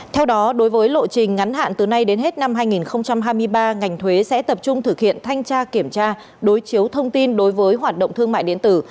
theo đó đối với lộ trình ngắn hạn từ nay đến hết năm hai nghìn hai mươi ba ngành thuế sẽ tập trung thực hiện thanh tra kiểm tra đối chiếu thông tin đối với hoạt động thương mại điện tử